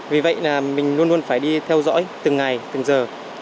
vì vậy là mình luôn luôn phải đi theo dõi từng ngày từng giờ